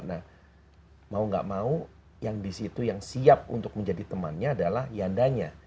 nah mau nggak mau yang disitu yang siap untuk menjadi temannya adalah yandanya